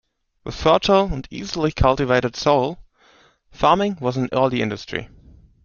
With fertile and easily cultivated soil, farming was an early industry.